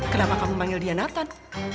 kenapa kamu panggil dia nathan